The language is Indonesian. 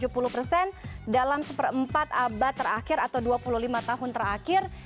tujuh puluh persen dalam seperempat abad terakhir atau dua puluh lima tahun terakhir